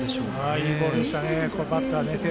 いいボールでしたね。